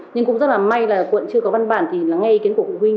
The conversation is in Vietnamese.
nhưng cũng rất là may là quận chưa có văn bản thì là ngay ý kiến của phụ huynh